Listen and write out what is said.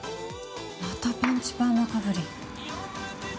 またパンチパーマかぶれ。